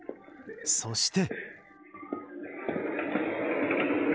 そして。